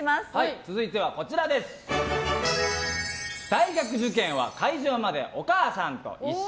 続いては大学受験は会場までお母さんと一緒。